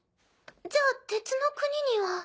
じゃあ鉄の国には。